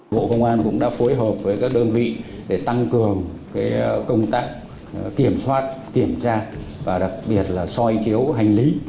bộ công an cũng đã phối hợp với các đơn vị để tăng cường công tác kiểm soát kiểm tra và đặc biệt là soi chiếu hành lý